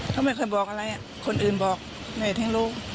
เขาไม่เคยบอกอะไรคนอื่นบอกแม่ทั้งลูก